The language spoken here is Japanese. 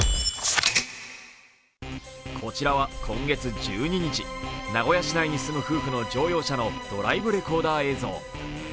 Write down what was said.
こちらは、今月１２日、名古屋市内に住む夫婦の乗用車のドライブレコーダー映像。